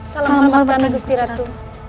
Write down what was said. salam hormatkan gusti ratu